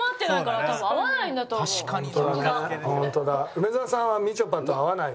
梅沢さんはみちょぱと合わないわ。